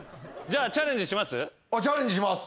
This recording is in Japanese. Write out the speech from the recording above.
チャレンジします。